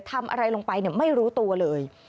ทำอะไรลงไปไม่รู้ตัวเลย